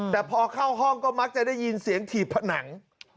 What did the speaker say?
แต่พอเข้าห้องก็มักจะได้ยินเสียงถีบผนัง